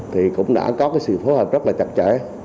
thì cũng đã có cái sự phối hợp rất là chặt chẽ